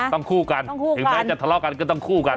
ต้องคู่กันถ้าทะเลาะกันก็ต้องคู่กัน